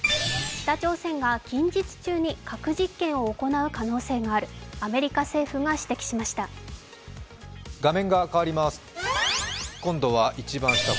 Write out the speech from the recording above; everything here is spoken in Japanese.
北朝鮮が近日中に核実験を行う可能性がある、アメリカ政府が指摘しました。